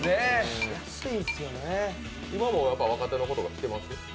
今も若手の子とか来てます？